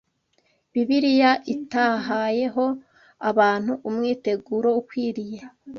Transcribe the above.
Bibiliya itahayeho abantu umwiteguro ukwiriye.